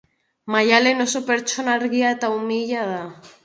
Maialen oso pertsona argia eta umila da